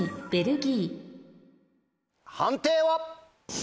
判定は？